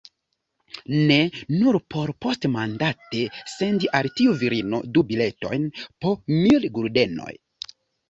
Ne; nur por poŝtmandate sendi al tiu virino du biletojn po mil guldenoj.